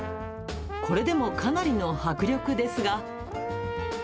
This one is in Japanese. これでもかなりの迫力ですが。